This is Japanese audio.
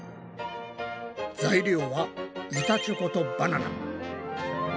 材料は板チョコとバナナ。